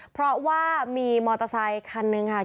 เพราะว่ามีมอเตอร์ไซคันหนึ่งค่ะ